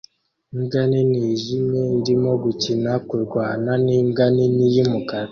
Imbwa nini yijimye irimo gukina-kurwana nimbwa nini yumukara